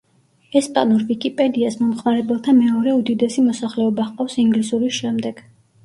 ესპანურ ვიკიპედიას მომხმარებელთა მეორე უდიდესი მოსახლეობა ჰყავს ინგლისურის შემდეგ.